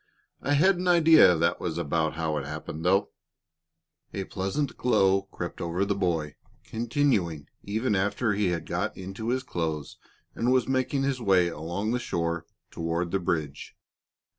"I had an idea that was about how it happened, though." A pleasant glow crept over the boy, continuing even after he had got into his clothes and was making his way along the shore toward the bridge.